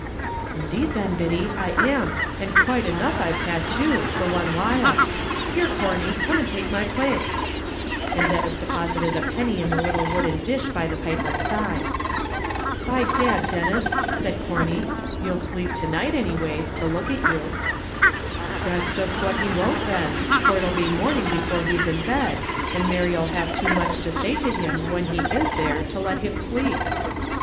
"Indeed, then, Biddy, I am, and quite enough I've had, too, for one while. Here, Corney, come and take my place;" and Denis deposited a penny in a little wooden dish by the piper's side. "By dad, Denis," said Corney, "you'll sleep to night, any ways to look at you." "That's jist what he won't, then; for it'll be morning before he's in bed, and Mary'll have too much to say to him, when he is there, to let him sleep."